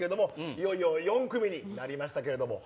いよいよ４組になりましたけれども。